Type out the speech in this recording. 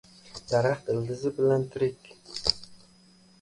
• Daraxt ildizi bilan tirik.